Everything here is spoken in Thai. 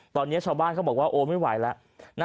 ตอนนี้ชาวบ้านเขาบอกว่าโอ้ไม่ไหวแล้ว